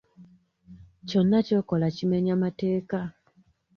Kyonna ky'okola kimenya mateeka.